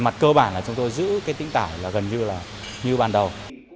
mặt cơ bản là chúng tôi giữ tính tải gần như ban đầu